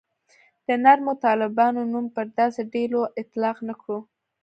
د نرمو طالبانو نوم پر داسې ډلو اطلاق نه کړو.